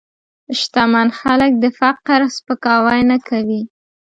شتمن خلک د فقر سپکاوی نه کوي.